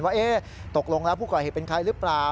ว่าตกลงแล้วผู้ก่อเหตุเป็นใครหรือเปล่า